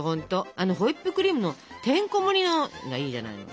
あのホイップクリームのてんこもりのがいいじゃないの。